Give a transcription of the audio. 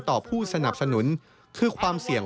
ผู้สนับสนุนคือความเสี่ยง